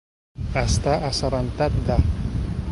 Estar assabentat de.